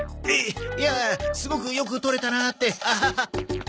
いやすごくよくとれたなってアハハ。